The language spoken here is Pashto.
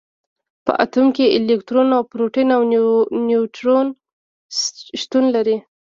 په اتوم کې الکترون او پروټون او نیوټرون شتون لري.